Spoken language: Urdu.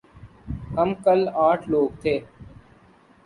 ہم کل آٹھ لوگ تھے ۔